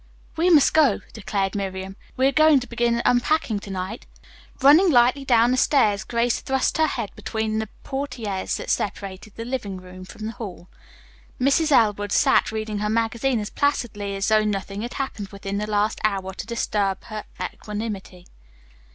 "We must go," declared Miriam. "We are going to begin unpacking to night." Running lightly down the stairs, Grace thrust her head between the portieres that separated the living room from the hall. Mrs. Elwood sat reading her magazine as placidly as though nothing had happened within the last hour to disturb her equanimity.